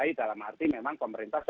ini mengerjai dalam arti memang pemerintah